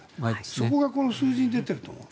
そこがこの数字に出てると思う。